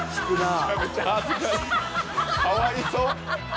かわいそう。